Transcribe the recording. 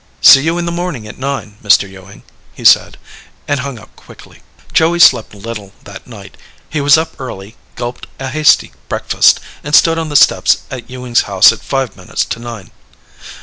"See you in the morning at nine, Mr. Ewing," he said, and hung up quickly. Joey slept little that night. He was up early, gulped a hasty breakfast, and stood on the steps at Ewing's house at five minutes to nine.